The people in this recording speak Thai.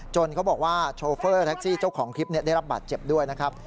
เขาบอกว่าโชเฟอร์แท็กซี่เจ้าของคลิปได้รับบาดเจ็บด้วยนะครับ